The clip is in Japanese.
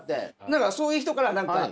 何かそういう人から何か